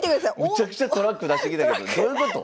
めちゃくちゃトラック出してきたけどどういうこと？